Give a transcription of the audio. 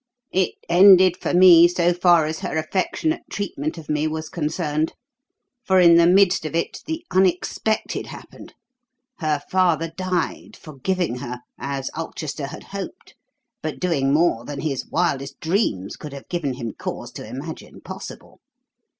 "It ended for me, so far as her affectionate treatment of me was concerned; for in the midst of it the unexpected happened. Her father died, forgiving her, as Ulchester had hoped, but doing more than his wildest dreams could have given him cause to imagine possible.